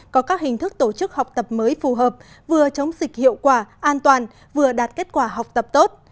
có các hình thức tổ chức học tập mới phù hợp vừa chống dịch hiệu quả an toàn vừa đạt kết quả học tập tốt